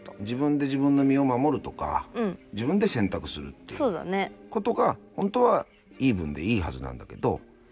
自分で自分の身を守るとか自分で選択するっていうことがほんとはイーブンでいいはずなんだけど。